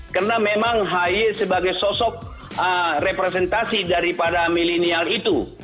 karena memang ahi sebagai sosok representasi daripada milenial itu